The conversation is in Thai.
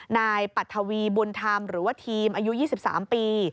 นายปัทวีบุญธรรมหรือว่าทีมอายุ๒๓ปี